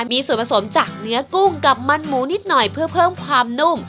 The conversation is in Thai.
มีส่วนผสมจากเนื้อกุ้งกับมันหมูนิดหน่อยเพื่อเพิ่มความนุ่ม